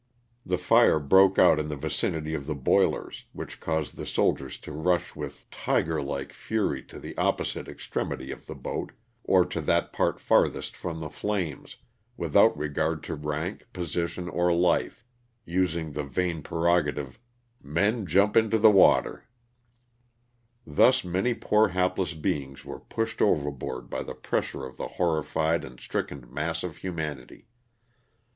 The fire broke out in the vicinity of the boilers, which caused the soldiers to rush with tiger like fury to the opposite extremity of the boat, or to that part farthest from the flames, without regard to rank, position or life, using the vain prerogative, *'Men Jump into the water," Thus many poor hapless beings were pushed over board by the pressure of the horrified and strickened mass of humanity.